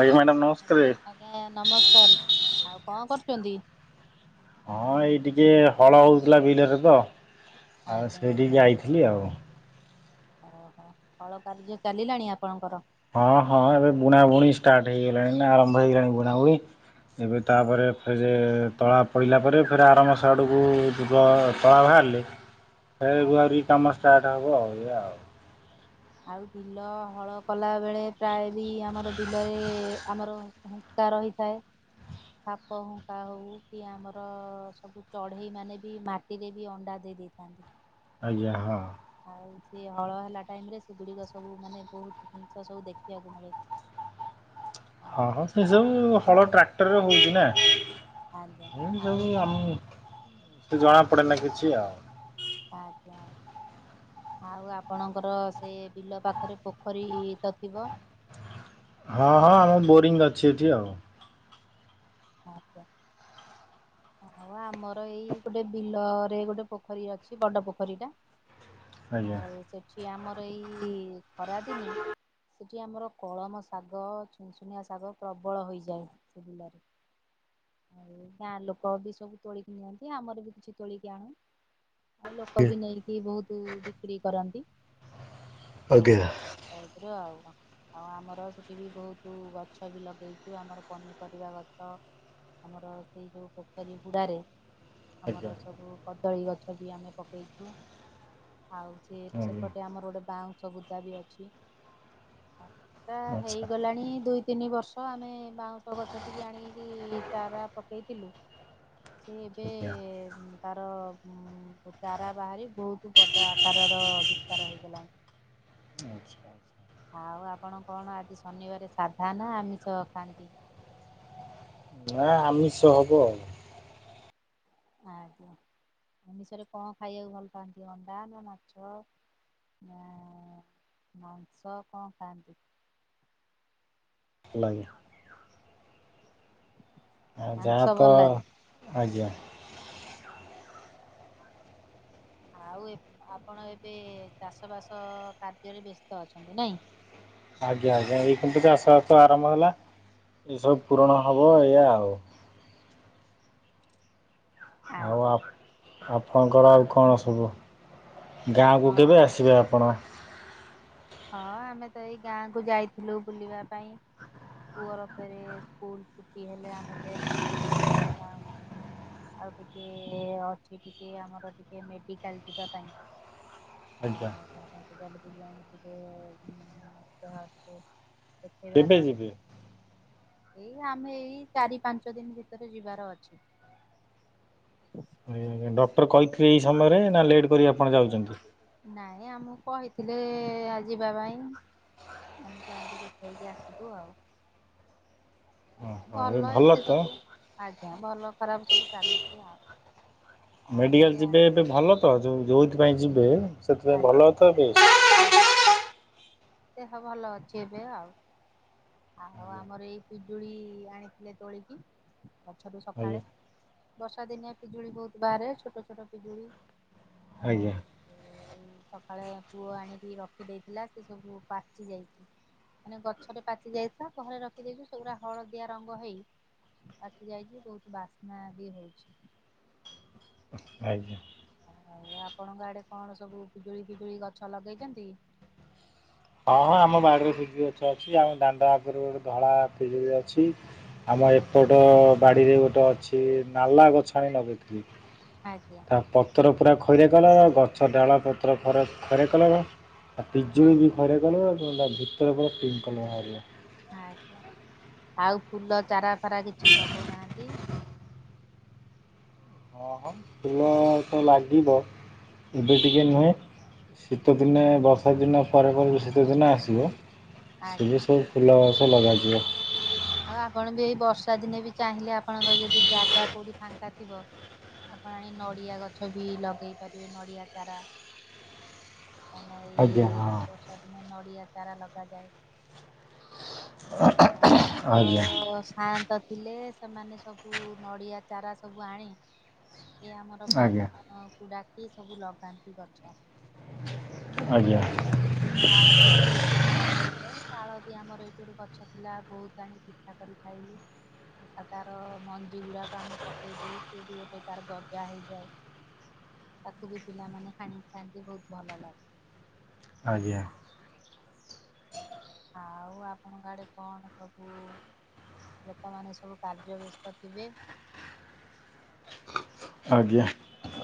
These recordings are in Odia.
ଆଜ୍ଞା ମ୍ୟାଡ଼ାାମ ହ୍ୟାଲୋ। ନମସ୍କାର। ଆଜ୍ଞା ନମସ୍କାର ଆଉ କଣ କରୁଛନ୍ତି। ହଁ ଏଇ ଟିକିେ ହଳ ହେଉଥିଲା ବିଲରେ ତ ଆଉ ଆଜ୍ଞା ଆଜ୍ଞା ସେଇଠିକି ଆଇଥିଲି ଆଉ ଓହୋ ଫଳ କାର୍ଯ୍ୟ ଚାଲିଲାଣି ଆପଣଙ୍କର। ହଁ ହଁ ଏବେ ବୁଣା ବୁଣି ଷ୍ଟାର୍ଟ ହେଇଗଲାଣି ନା ଆରମ୍ଭ ହେଇଗଲାଣି ବୁଣାବୁଣି ଏବେ ତାପରେ ଫ ଯେ ତଳା ପଡ଼ିଲା ପରେ ଫେରେ ଆରାମସ ଆଡ଼କୁଗ ତଳା ବାହାରିଲେ ଆ ଫେବୃଆରୀ କାମ ଷ୍ଟାର୍ଟ ହେବ ଆଉ ଇଆ ଆଉ ଆଉ ବିଲ ହଳ କଲା ବେଳେ ପ୍ରାୟ ବି ଆମର ବିଲରେ ଆମର ଶିକା ରହିଥାଏ ସାପ ହୁଙ୍କା ହଉ କି ଆମର ସବୁ ଚଢେଇ ମାନେ ବି ମାଟିରେ ବି ଅଣ୍ଡା ଦେଇ ଦେଇେଇଥାନ୍ତି। ଆଜ୍ଞା ହଁ। ଆଉ ସିଏ ହଳ ହେଲା ଟାଇମ ରେ ସେଗୁଡିକ ସବୁ ମାନେ ବହୁତ ଜିନିଷ ସବୁ ଦେଖିବାକୁ ମିଳେ। ହଁଁ ଆଉ ସେ ସବୁ ଆମର ହଳ ଟ୍ରାକ୍ଟରରେ ହଉଛି ନା ଆଜ୍ଞା ଏ ଆଉ ସବୁ ଆମ ସେ ଜଣା ପଡେ ନା କିଛି ଆଉ। ଆଜ୍ଞା ଆଉ ଆପଣଙ୍କର ସେ ବିଲ ପାଖରେ ପୋଖରୀ ତ ଥିବ ହଁ ହଁ ଆମ ବୋରିଂ ଅଛି ଏଠି ଆଉ ଆଛା ହଉ ଆମର ଏଇ ଗୋଟେ ବିଲରେ ଗୋଟେ ପୋଖରୀ ଅଛି ବଡ ପୋଖରୀ ଟା ଆଜ୍ଞା। ଆଉ ସେଠି ଆମର ଏଇ ଖରାଦିନେ ସେଠି ଆମର କଳମ ଶାଗ ଛୁନଛୁନିଆ ଶାଗ ପ୍ରବଳ ହୋଇଯାଏ ସେ ବିଲାରେ ଆଉ ଗାଁ ଲୋକ ବି ସବୁ ତୋଳିକି ନିଅନ୍ତି ଆମର ବି କିଛି ତୋଳିକି ଆଣୁ ଆଉ ଲୋକ ବି ନେଇକି ବହୁତ ବିକ୍ରି କରନ୍ତି ଆଉ ଆଜ୍ଞା। ଟଇପରେ ଆଉ ଆଉ ଆମର ସେଠି ବି ବହୁତ ଗଛ ବି ଲଗେଇଛୁ ଆମର ପନିପରିବା ଗଛ ଆମର ସେଇ ଯୋଉ ପୋଖରୀ ଗୁଡ଼ାରେ ଆଜ୍ଞା ଆମର ସବୁ ତଳି ଗଛ ବି ଆମେ ପକେଇଛୁ ଆଉ ସେ ଆଜ୍ଞା ସେପଟେ ଆମର ଗୋଟେ ବାଉ ଗଛବୁଦା ବି ଅଛି ଆ ପୁରା ଆଚ୍ଛା। ହେଇଗଲାଣି ଦୁଇ ତିନି ବର୍ଷ ଆମେ ବାଉଁଶ ଗଛ ଟିକେ ଆଣିକି ଚାରା ପକେଇଥିଲୁ ସେ ଏବେ ଆଜ୍ଞା। ତାର ଚାରା ବାହାରି ବହୁତ ବଡ଼ ଆକାରର ବିସ୍ତାର ହୋଇଇଗଲାଣି ଆଚ୍ଛା ଆଉ ଆପଣ କଣ ଆଜି ଶନିବାରେ ସାଧା ନା ଆମିଷ ଖାନ୍ତି ନା ଆମିଷ ହବ ଆଉ ଆଜ୍ଞା ଅମିଷରେ କଣ ଖାଇବାକୁ ଭଲ ପାଆନ୍ତି ଅଣ୍ଡା ନା ମାଛ ନା ମାଂସ କଅ ଖାଆନ୍ତି [inaudible] ଆଉ ଯାଆ ମାଂସ ତ ଭଲ ଲାଗେ। ଆଜ୍ଞା ଆଉ ଆପଣ ଏବେ ଚାଷବାସ କାର୍ଯ୍ୟରେ ବ୍ୟସ୍ତ ଅଛନ୍ତି ନାହିଁ ଆଜ୍ଞା ଆଜ୍ଞା ଏଇ କୁନା ଚାଷ ଆରମ୍ଭ ହେଲା ଏସବୁ ପୂରଣ ହବ ଏଇଆ ଆଉ ଆଉ ଆଜ୍ଞା। ଅପ୍ ଆପଣଙ୍କର ଆଉ କଣ ସବୁ ଗାଁକୁ କେବେ ହଁ ଆସିବେ ଆପଣ ହଁ ଆମେ ତ ଏଇ ଗାଁକୁ ଯାଇଥିଲୁ ବୁଲିବା ପାଇଁ ପୁଅର ଫେରେ ସ୍କୁଲ ଛୁଟି ହେଲେ ଆମେ ଫେରେ ଯିବୁ ବୁଲିବା ପାଇଁ ଗାଁକୁ ଆଉ ଟିକେ ଅଛି ଟିକେ ଆମର ଟିକେ ମେଡିକାଲ ଯିବା ପାଇଁ ଆଜ୍ଞା ଆଉା [unintelligible] ଦେଖେଇବାର କେବେ ଯିବେ ଅଛି ଏଇ ଆମେ ଏଇ ଚାରି ପାଞ୍ଚ ଦିନ ଭିତରେ ଯିବାର ଅଛି ଆଜ୍ଞା ଆଜ୍ଞା ଡକ୍ଟର କହିଥିଲେ ଏଇ ସମ୍ ବାରେ ନା ଲେଟ୍ କରି ଆପଣ ଯାଉଛନ୍ତି ନାଇଁ ଆମକୁ କହିଥିଲେ ଏଏ ଯିବା ପାଇଁ ଆମେ ଯାଇକି ଦେଖେଇକି ଆସିବୁ ଆଉ ଓହୋ ଏବେ ଭଲ ଏମିତି ତ? ସବୁ ଆଜ୍ଞା ଭଲ ଖରାପ ସବୁ ଚାଲଛିି ଆଉ ଆଉ ମେଡିକାଲ ଏଇଆ ଯିବେ ଏବେ ଭଲ ତ ଯଉଥିପାଇଁ ଯିବେ ସେଥିପାଇଁ ଭଲ ତ ଏବେ ଆଜ୍ଞା ଆଜ୍ଞା ଦେହ ଭଲ ଅଛି ଏବେ ଆଉ ଆଉ ଆମର ଏଇ ପିଜୁଳି ଆଣିଥିଲେ ତୋଳିକି ଗଛରୁ ଆଜ୍ଞା ସକାଳେ ବର୍ଷା ଦିନେ ପିଜୁଳି ବହୁତ ବାହାରେ ଛୋଟ ଛୋଟ ପିଜୁଳି ଆଉ ଆଜ୍ଞା ସକାଳେ ପୁଅ ଆଣିକି ରଖିଦେଇଥିଲା ସେ ସବୁ ପାଚି ଯାଇଛି ମାନେ ଗଛଟରେ ପାଚି ଯାଇଥିଲା ଘରେ ରଖିଦେଇଛୁ ସେଗୁଡା ହଳଦିଆ ରଙ୍ଗ ହେଇ ପାଚି ଯାଇଛି ବହୁତ ବାସ୍ନା ବି ହଉଛି ଆଜ୍ଞା ଆଉ ଆପଣଙ୍କ ଆଡେ କଣ ସବୁ ପିଜୁଳି ଫିଜୁଳି ଗଛ ଲଗେଇଛନ୍ତି ହଁ ହଁ ଆମ ବାଡିରେ ପିଜୁଳି ଗଛ ଅଛି ଆମ ଦାଣ୍ଡ ଆଗରୁ ଗୋଟେ ଧଳା ପିଜୁଳି ଅଛି। ଆମ ଏପଟ ବାଡ଼ିରେ ଗୋଟେ ଅଛି ନାଲା ଗଛ ଆଣି ନଗାଇଥିଲୁ ଆଜ୍ଞା ପତ୍ର ପୁରା ଖଇରା କଲର ଗଛ ଡାଳ ପତ୍ର ଖରା ଖଇରା କଲର ପିଜୁଳି ବି ଆଜ୍ଞା ଖଇରା କଲର ତା ଭିତର ପୁରା ପିଙ୍କ କଳର ବାହାରିବ ଆଜ୍ଞା ଆଉ ଫୁଲ ଚାରା ଫାରା କିଛି ଲଗଉନାହାନ୍ତି। ହଁ ହଁ ଫୁଲ ତ ଲାଗିବ ଏବେ ଟିକେ ନୁହେଁ ଶୀତ ଦିନେ ବର୍ଷା ଦିନ ପରେ ପରେ ଯଉ ଶୀତ ଦିନ ଆସିବ ସେବେ ଆଜ୍ଞା ସବୁ ଫୁଲ ଗଛ ଲଗାଯିବ ଆଉ ଆପଣ ବି ଏଇ ବର୍ଷା ଦିନେ ବି ଚାହିଁଲେ ଆପଣଙ୍କର ଯଦି ଜାଗା କୋଉଠି ଫାଙ୍କା ଥିବ ଆପଣ ଆଣି ନଡିଆ ଗଛ ବି ଲଗେଇ ପାରିବେ ନଡ଼ିଆ ଚାରା କାଇକିନ ଆଜ୍ଞା ଏଇ ହଁ ବର୍ଷା ଦିନେ ନଡ଼ିଆ ଚାରା ଲଗାଯାଏ। ଆଉ ଆମର ଆଜ୍ଞା ତ ସାୟନ୍ତ ଥିଲେ ସେମାନେ ସବୁ ନଡ଼ିଆ ଚାରା ସବୁ ଆଣି ଏ ଆମର ଆଜ୍ଞା ବ୍ରାହ୍ମଣ କୁ ଡାକି ସବୁ ଲଗାନ୍ତି ଗଛ। ଆଜ୍ଞା ଆଉ ତାଳ ଗଛ ବି ବହୁତ୍ ଖରା ହେଇଥାଏ ତାଳ ବି ଆମର ଏଇଠୁ ଗୋଟେ ଗଛ ଥିଲା ବହୁତ ଆଣି ପିଠା କରି ଖାଇଲୁ ଆଉ ତାର ମଞ୍ଜି ଗୁଡାକ ଆମେ ପକେଇ ଦଉ ସି ବି ଗୋଟେ ତାର ଗଜା ହେଇଯାଏ ତାକୁ ବି ପିଲାମାନେ ହାଣିକି ଖାଆନ୍ତି ବହୁତ ଭଲ ଲାଗେ। ଆଜ୍ଞା। ଆଉ ଆପଣଙ୍କ ଆଡେ କଣ ସବୁ ଲୋକମାନେ ସବୁ କାର୍ଯ୍ୟ ବ୍ୟସ୍ତ ଥିବେ ଆଜ୍ଞା।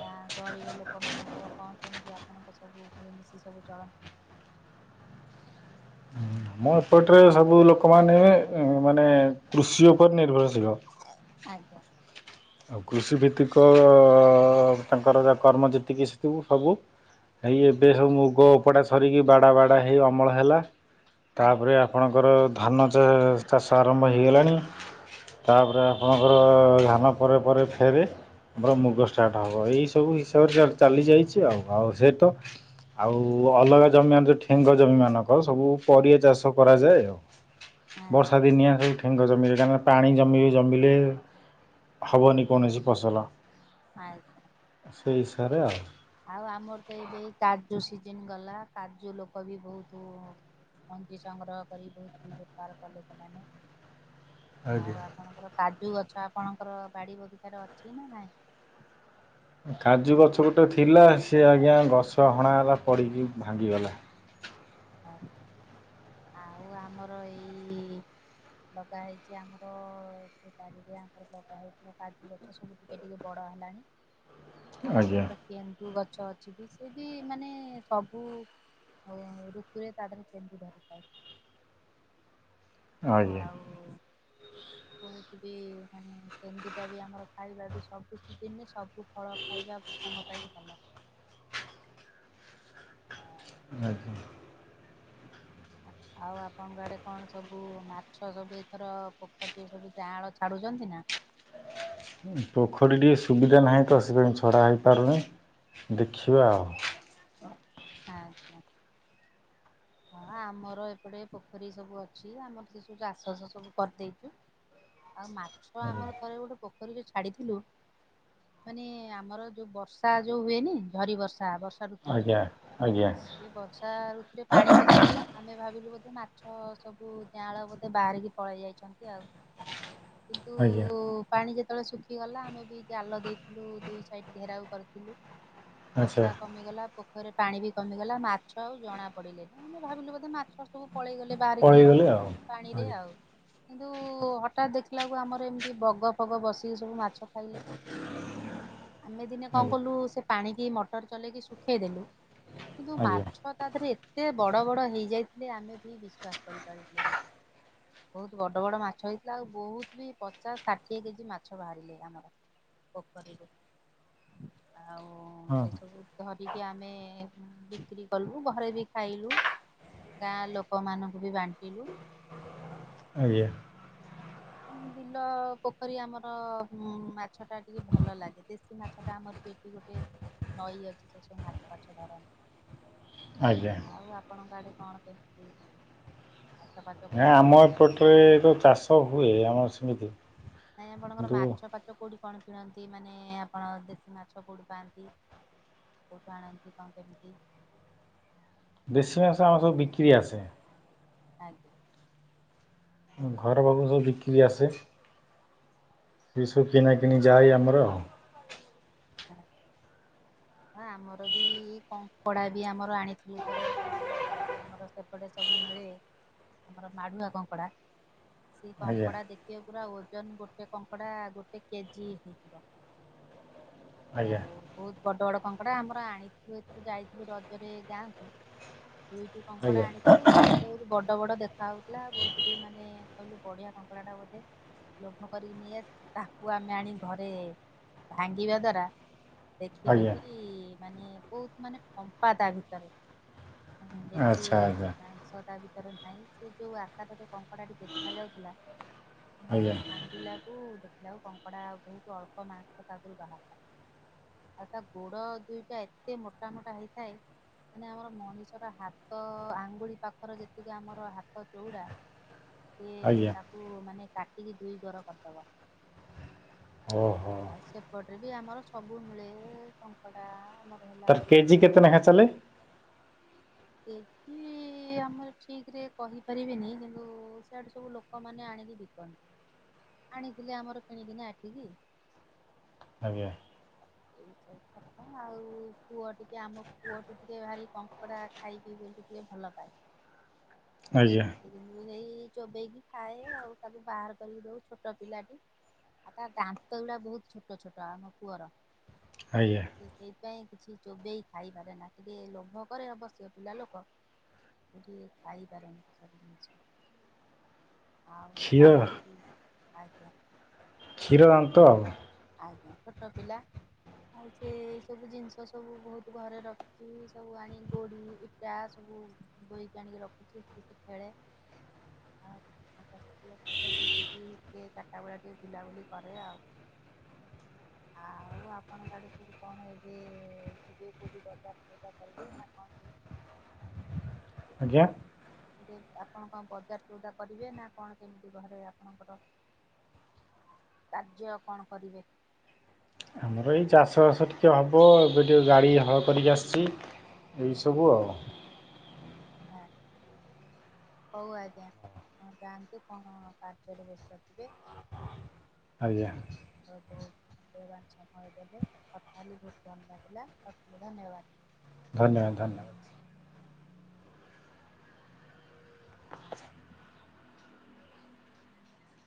ଗାଁ ଗହଳିିରେ ଲୋକମାନଙ୍କର କଣ କେମତି ଆପଣଙ୍କ ସବୁ ମିଳିମିଶି ସବୁ ଚଳନ୍ତି? ଆମ ଏପଟରେ ସବୁ ଲୋକମାନେ, ମାନେ କୃଷି ଉପରେ ନିର୍ଭରଶୀଳ। ଆଜ୍ଞା। ଆଉ କୃଷି ଭିତ୍ତିକ ଅ ତାଙ୍କର କର୍ମ ଯେତିକି ଶିକିବୁ ସବୁ ଏଇ ଏବେ ସବୁ ମୁଗ ଉପୁଡ଼ା ଆଜ୍ଞା ସରିକି ବାଡ଼ା ବାଡ଼ା ହେଇ ଅମଳ ହେଲା। ତାପରେ ଆପଣ ତାଙ୍କର ଧାନ ଚା-ଚାଷ ଆରମ୍ଭ ହେଇଗଲାଣି। ତାପରେ ଆପଣଙ୍କର, ଧାନ ପରେ ପରେ ଫେରେ ଆମର ମୁଗ ଷ୍ଟାର୍ଟ ହବ। ଏଇ ସବୁ ହିସାବରେ ଚାଲ-ଚାଲିଯାଇଛି ଆଉ। ଆଉ ସେ ତ ଆଉ ଅଲଗା ଜମିମାନେ ଯୋଉ ଠେଙ୍ଗ ଜମିମାନଙ୍କର ସବୁ ପରିବା ଚାଷ କରାଯାଏ ଆଉ। ଆଜ୍ଞା ବର୍ଷାଦିନିଆ ସେ ଠେଙ୍ଗ ଜମିରେ କାରଣ ପାଣି ଜମିବ ଜମିଲେ ହବନି କୌଣସି ଫସଲ। ଆଜ୍ଞା। ସେଇ ହିସାବରେ ଆଉ। ଆଉ ଆମର ତ ଏବେ ଏଇ କାଜୁ ସିଜିନ ଗଲା, କାଜୁ ଲୋକ ବି ବହୁତୁ ମଞ୍ଜି ସଂଗ୍ରହ କରି, ବହୁତ ବେପାର କଲେ ସେମାନେ। ଆଜ୍ଞା। ଆଉ ଆପଣଙ୍କର କାଜୁ ଗଛ, ଆପଣଙ୍କର ବାଡି ବଗିଚାରେ ଅଛି ନା ନାଇଁ? କାଜୁ ଗଛ ଗୋଟେ ଥିଲା, ସେ ଆଜ୍ଞା ଗଛ ହଣା ହେଲା ପଡ଼ିକି ଭାଙ୍ଗିଗଲା। ଆ ଆଉ ଆମର ଏଇ ଲଗା ହେଇଛି ଆମର, ସେ ବାରିରେ ଆମର ଲଗା ହେଇଥିଲା କାଜୁ ଗ ଛ ସବୁ ଟିକେ ଟିକେ ବଡ ହେଲାଣି ଆଉ ଆଜ୍ଞା ଆମର ଗୋଟେ କେନ୍ଦୁ ଗଛ ଅଛି ବି, ସିଏ ବି ମାନେ ସବୁ ଉମ୍ ଗୁରେ ତାଦେହରେ କେନ୍ଦୁ ଧରିଥାଏ। ଆଜ୍ଞା। ଆଉ ବହୁତ ବି ମାନେ କେନ୍ଦୁଟା ବି ଆମର ଖାଇବା ବି ସବୁ ସିଜିନରେ ସବୁ ଫଳ ଖାଇବା ଆମ ପାଇଁ ଭଲ। ଆଜ୍ଞା। ହଁ ଆଉ ଆପଣଙ୍କ ଆଡେ କଣ ସବୁ ମାଛ ସବୁ ଏଥର ପୋଖରୀରେ ସବୁ ଜାଆଁଳ ଛାଡୁଛନ୍ତି ନା? ପୋଖଡି ଟିକେ ସୁବିଧା ନାହିଁ ତ, ସେ ପାଇଁ ଛଡ଼ା ହେଇପାରୁନେଇ, ଦେଖିବା ଆଉ। ଆଁ ଛା। ହଁ ଆମର ଏପଟେ ପୋଖରୀ ସବୁ ଅଛି, ଆମର ସେସବୁ ଚାଷ ବାସ ସବୁ କରିଦେଇଚୁ। ଆଉ ମାଛ ଆମର ଥରେ ଗୋଟେ ପୋଖରୀରେ ଛାଡିଥିଲୁ ମାନେ ଆମର ଯୋଉ ବର୍ଷା ଯୋଉ ହୁଏନି, ଝରି ବର୍ଷା ବର୍ଷା ର୍ଷାଋତୁରେ, ଆଜ୍ଞା ଆଜ୍ଞା ଇଏ ବର୍ଷାଋତୁରେ ପାଣି ପଶି ଶିଗଲା, ଆମେ ଭାବିଲୁ ବୋଧେ ମାଛ ସବୁ ଜାଆଁଳ ବୋଧେ ବାହାରିକି ପଳେଇ ଯାଇଛନ୍ତି ଆଉ। କିନ୍ତୁ ଆଜ୍ଞା ପାଣି ଯେତେବେଳେ ଶୁଖିଗଲା, ଆମେ ବି ଜାଲ ଦେଇଥିଲୁ ଦୁଇ ସାଇଡ ଘେରାଉ କରିଥିଲୁ। ଆଚ୍ଛା ବର୍ଷା କମିଗଲା, ପୋଖରୀରେ ପାଣି ବି କମିଗଲା, ମାଛ ଆଉ ଜଣା ପଡିଲେ, ଆମେ ଭାବିଲୁ ବୋଧେ ମାଛ ସବୁ ପଳେଇ ଗଲେ ବାହାରିକି ପଳେଇଗଲେ ଆଉ। ପାଣିରେ ଆଜ୍ଞା। ଆଉ। କିନ୍ତୁ ହଠାତ୍ ଦେଖିଲାଆକୁ ଆମର ଏମତି ବଗ ଫଗ ବସିକି ସବୁ ମାଛ ଖାଇଲେ ଆମେ ଦିନେ କଣ ଆଜ୍ଞା କଲୁ, ସେ ପାଣିକି ମଟର ଚଲେଇକି ଶୁଖେଇଦେଲୁ କିନ୍ତୁ ମାଛ ଆଜ୍ଞା ତା ଦେହରେ ଏତେ ବଡ ବଡ ହେଇଯାଇଥିଲେ, ଆମେ ଭି ବିଶ୍ୱାସ କରିପାରିଲୁନୁ। ବହୁତ ବଡ ବଡ ମାଛ ହେଇଥିଲା ଆଉ ବହୁତ ବି ପଚାଶ ଷାଠିଏ କେଜି ମାଛ ବାହାରି ରିଲେ, ଆମର ପୋଖରୀରୁ। ଆଉ ହଁ ସେ ସବୁ ଧରିକି ଆମେ ବିକ୍ରି କଲୁ, ଘରେ ବି ଖାଇଲୁ ଗାଁ ଲୋକମାନଙ୍କୁ ବି ବାଣ୍ଟିଲୁ। ଆଜ୍ଞା। ବିଲ ପୋଖରୀ ଆମର ମାଛ ଟା ଟିକେ ଭଲ ଲାଗେ ଦେଶୀ ମାଛ ଟ ଆମର ବେଟି ଗୋଟେ ନଈ ଅଛି ସେ ସବୁ ମାଟି ପାଛ ଧରନ୍ତି। ଆଜ୍ଞା। ଆଉ ଆପଣଙ୍କ ଗ ଆଡ଼େ କଣ କେମିତି ହାତପଖ ନା ଆମ ଏପଟରେ ତ ଚାଷ ହୁଏ ଆମର ସେମିତି ନାଇଁ ଆପଣଙ୍କର କିନ୍ତୁ ମାଛ ଫାଚ କୋଉଠି କଣ କିଣନ୍ତି ମାନେ ଆପଣ ଦେଶୀ ମାଛ କୋଉଠି ପାଆନ୍ତି। ଠୁ ଆଣନ୍ତି କଣ କେମିତି? ଦେଶୀ ମାଂସ ଆମର ସବୁ ବିକ୍ରି ଆସେ। ଆଜ୍ଞା। ଘର ପାଖକୁ ସବୁ ବିକ୍ରି ଆସେ ଏଇସବୁ କିଣାକିଣିି ଯାଏ ଆମରଉ ହଁ। ହ ଆମର ବି କପଡା ବି ଆମର ଆଣିଥିଲୁ ଥରେ ଆମର ସେପଟେ ସବୁ ମିଳେ ଆମର ମାଡ଼ୁଆ କଙ୍କଡ଼ା ସେ ଆଜ୍ଞା କଙ୍କଡ଼ା ଦେଖି ଟ ପୁରା ଓଜନ ଗୋଟେ କଙ୍କଡା ଗୋଟେ କେଜି ହେଇଯିବ। ଆଜ୍ଞା ଆଉ ବହୁତ ବଡ ବଡ କଙ୍କଡା ଆମର ଆଣିଥିଲୁ ଏଥର ଯାଇଥିଲୁ ରଜରେ ଯାଆନ୍ତୁ ଦୁଇଠ କଙ୍କଡା ଆଜ୍ଞା ଆଣିଥିଲୁ ବହୁତ ବଡ ବଡ ଦେଖ ଖାଉଥିଲା ବହୁତ ଦଇ ମାନେ କହିଲୁ ବଢିଆ କଙ୍କଡ଼ା ଟା ବୋଧେ ଲୋଭ କରିକି ନେଇଆସିି ତାହାକୁ ଆମେ ଆଣି ଘରେ ଭାଙ୍ଗିବା ଦ୍୍ୱାରା ଦେଖିଲୁ ଆଜ୍ଞା କି ମାନେ ବହୁତ ମାନେ ପମ୍ପା ତା ଭିତରେ ବେଶି ଆଚ୍ଛା ଆଜ୍ଞା ସଦା ଭ ଭାଇ ସେ ଯୋଉ ଆକାରରେ କଙ୍କଡାଟି ଦେଖାଯ ଯାଉଥିଲା କିୁ ଆମେ ଆଜ୍ଞା ଭା ପିଲାକୁ ଦେଖିଲାକୁ କଙ୍କଡ଼ା ବହୁତ ଅଳ୍ପ ମାସ ତା ଦେହରୁ ବାହାରଥା ଆଉ ତା ଗୋଡ ଦୁଇଟା ଏତେ ମୋଟା ମୋଟା ହେଇଥାଏ। ମାନେ ଆମର ମଣିଷର ହାତ ଆଙ୍ଗୁଳି ପାଖରେ ଯେତିକି ଆମର ହାତ ଚଉଡା ସେଏ ଆଜ୍ଞା ତାକୁ ମାନେ କାଟିକି ଦୁଇ ଗର କରିଦବା। ଓହୋ ଆଉ ସେପଟରେ ବି ଆମର ସବୁ ମିଳେ କଙ୍କଡା ତାର କେଜି କେତେ ଟେଙ୍କା ଚାଲେ କେ ଆମର ଠିକ ରେ କହିପାରିବେନି କିନ୍ତୁ ସେଆଡୁ ସବୁ ଲୋକମାନୋନ ଆଣିକି ଆଣିଥିଲି ଆମର କିଣିକନା ଆଖିକି ଆଜ୍ଞା। ଏଇ ସବ କଥା ଆଉ ପୁଅ ଟିକେ ଆମ ପୁଅ ଟିକେ ଭାରି କଙ୍କଡା ଖାଇବି ବୋଲି ଟିକିଏ ଭଲପାଏ। ଆଜ୍ଞା! ନେ଼ଇ ଚୋବେଇକି ଖାଏ ଆଉ ତାକୁ ବାହାର କରିକି ଦଉ ଛୋଟ ପିଲାଟି ଆଉ ତା ଦାନ୍ତଗୁଡା ବହୁତ ଛୋଟ ଛୋଟ ଆମ ପୁଅର। ଆଜ୍ଞା! ସେଇଥିପାଇଁ କିଛି ଚୋବେଇ ଖାଇପାରେ ନା, ଟିକିଏ ଲୋଭ କରେ ଅବଶ୍ୟ ପିଲା ଲୋକ ଟିକିଏ ଖାଇପାରେନା ସବୁ ଜିନିଷ। ଆଉ କ୍ଷୀର ଚାଲିିଚି ଆଜ୍ଞା! କ୍ଷୀର ଦାମ ତ? ଆଜ୍ଞା! ଛୋଟ ପିଲା ଆଉ ସେ ସବୁ ଜିନିଷ ସବୁ ବହୁତ ଘରେ ର ସବୁ ଆଣିକି ଗୋଡି ଇଟା ସବୁ ବୋହିକି ଆଣିକି ରଖୁଛି। ଖେଳେ ଆଉ ସାଙ୍ଗ ସହିତ ବୁଲିକି ଟିକେ ଚାରଟା ବେଳିଆ ଟିକେ ବୁଲାବୁଲି କରେ ଆଉ। ଆଉ ଆପଣ ଆଡେ ସବୁ କଣ ଏବେ ଯିବେ କଉଠି ବଜାର ସଉଦା କରିବେ ନା କଣ? କେମିତି? ଆଜ୍ଞା। ଟିକେ ଆପଣ କଣ ବଜାର ସଉଦା କରିବେ ନା କଣ କେମିତି ଘରେ ଆପଣଙ୍କର କାର୍ଯ୍ୟ କଣ କରିବେ? ମୁଁ ଏଇ ଚାଷବାସ ଟିକେ ହବ ଏବେ ଟିକେ ଗାଡ଼ି ହଳ କରିକି ଆସିଚି ଏଇସବୁ ଆଉ। ହଁ। ହୋଉ ଆଜ୍ଞା ଆପଣ ଯାଆନ୍ତୁ କଣ କାର୍ଯ୍ୟରେ ବ୍ୟସ୍ତ ଥିବେ [inaudible] ଆଜ୍ଞା। ଆପଣ ବହୁତ ମୂଲ୍ୟବାନ ସମୟ ଦେଲେ କଥା ହେଲି ବହୁତ୍ ଭଲ ଲାଗିଲା ରଖିଲି ଧନ୍ୟବାଦ। ଧନ୍ୟବାଦ ଧନ୍ୟବାଦ।